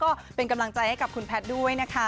ก็เป็นกำลังใจให้กับคุณแพทย์ด้วยนะคะ